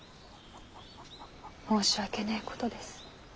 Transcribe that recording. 申し訳ねぇことです。